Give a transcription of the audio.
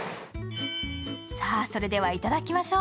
さあ、それではいただきましょう